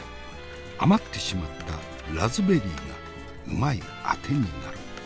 余ってしまったラズベリーがうまいあてになる。